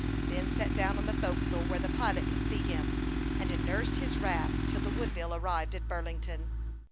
Ben sat down on the forecastle where the pilot could see him, and nursed his wrath till the Wood ville arrived at Burlington.